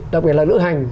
đặc biệt là lựa hành